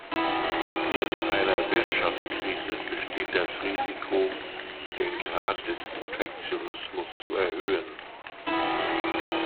Während einer Wirtschaftskrise besteht das Risiko, den Grad des Protektionismus zu erhöhen.